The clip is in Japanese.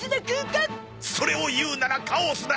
それを言うなら「カオス」だ！